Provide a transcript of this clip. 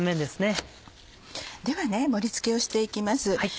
では盛り付けをして行きます。